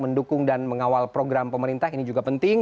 mendukung dan mengawal program pemerintah ini juga penting